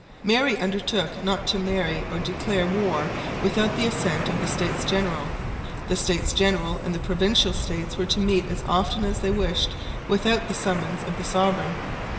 Mary undertook not to marry or to declare war without the assent of the States General. The States General and the Provincial States were to meet as often as they wished, without the summons of the sovereign.